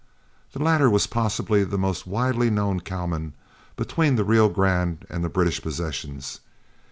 The latter was possibly the most widely known cowman between the Rio Grande and the British possessions.